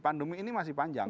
pandemi ini masih panjang